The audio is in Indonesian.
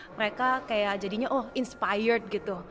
mereka kayak jadinya oh inspired gitu